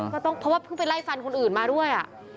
ก็ต้องเพราะว่าเพิ่งไปไล่ฟันคนอื่นมาด้วย